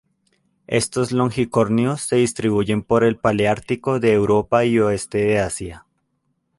Estos longicornios se distribuyen por el paleártico de Europa y oeste de Asia.